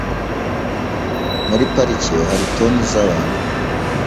Muri parike hari toni zabantu.